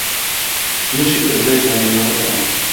مشک بەدوای دانەوێڵە دەگەڕا